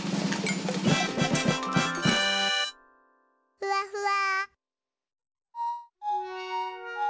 ふわふわ。